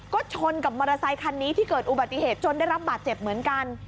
ก็ชนกับมอเตอร์ไซคันนี้ที่เกิดอุบัติเหตุจนได้รับบาดเจ็บเหมือนกัน